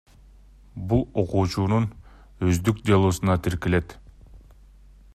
Бул окуучунун өздүк делосуна тиркелет.